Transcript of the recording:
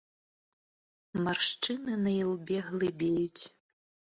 Маршчыны на ілбе глыбеюць.